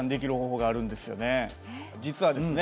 実はですね